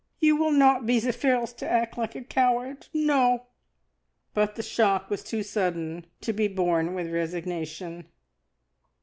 You will not be the first to act like a coward. No!" But the shock was too sudden to be borne with resignation.